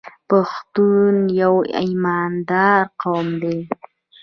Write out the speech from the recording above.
پښتون یو ایماندار قوم دی.